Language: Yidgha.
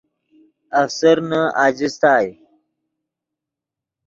افسرنے اجستائے